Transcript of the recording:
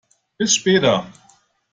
Bis später!